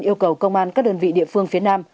yêu cầu công an các đơn vị địa phương phía nam